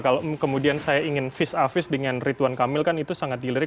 kalau kemudian saya ingin vis a vis dengan rituan kamil kan itu sangat dilirik